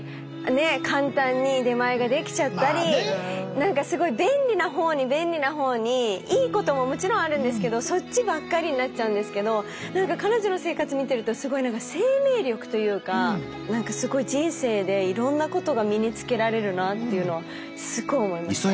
何かすごい便利な方に便利な方にいいことももちろんあるんですけどそっちばっかりになっちゃうんですけど何か彼女の生活見てるとすごい生命力というか何かすごい人生でいろんなことが身につけられるなっていうのはすごい思いました。